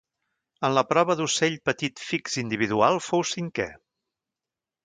En la prova d'Ocell petit fix individual fou cinquè.